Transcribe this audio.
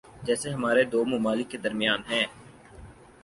جیسے ہمارے دو ممالک کے درمیان ہیں۔